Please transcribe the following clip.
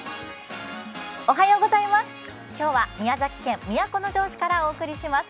今日は宮崎県都城市からお伝えします。